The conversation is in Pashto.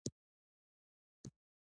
د کاهو ګل د څه لپاره وکاروم؟